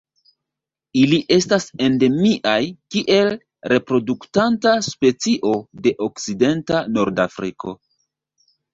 Ili estas endemiaj kiel reproduktanta specio de okcidenta Nordafriko.